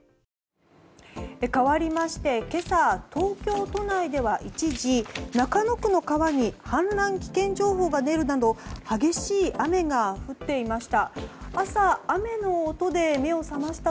かわりまして今朝、東京都内では一時、中野区の川に氾濫危険情報が出るなど激しい雨が降っていました。